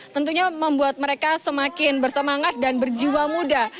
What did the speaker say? tentunya membuat mereka semakin bersemangat dan berjiwa muda